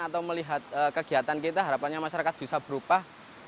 atau melihat kegiatan kita harapannya masyarakat bisa berubah